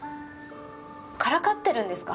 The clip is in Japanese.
からかってるんですか？